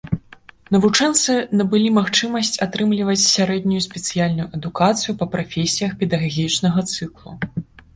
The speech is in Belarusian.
Навучэнцы набылі магчымасць атрымліваць сярэднюю спецыяльную адукацыю па прафесіях педагагічнага цыклу.